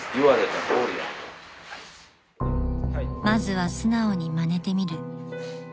［まずは素直にまねてみる］